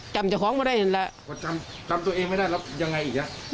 จำตัวเองไม่ได้ยังไงอีกละ